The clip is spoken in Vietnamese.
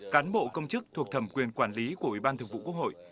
cán bộ công chức thuộc thẩm quyền quản lý của ubnd